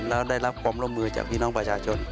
แล้วได้รับความร่วมมือจากพี่น้องประชาชน